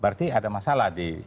berarti ada masalah di